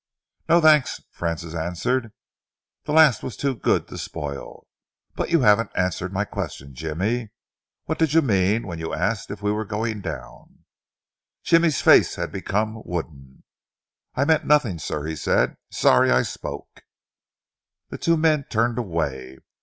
"No, thanks," Francis answered. "The last was too good to spoil. But you haven't answered my question, Jimmy. What did you mean when you asked if we were going down?" Jimmy's face had become wooden. "I meant nothing, sir," he said. "Sorry I spoke." The two men turned away.